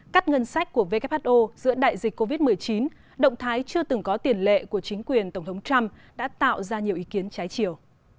cắt ngân sách của who giữa đại dịch covid một mươi chín động thái chưa từng có tiền lệ của chính quyền tổng thống trump đã tạo ra nhiều ý kiến trái chiều